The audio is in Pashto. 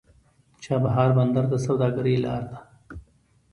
چابهار بندر د سوداګرۍ لار ده.